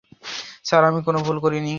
Sir, আমি কোনও ভুল করিনি।